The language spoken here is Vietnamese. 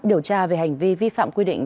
điều tra về hành vi vi phạm quy định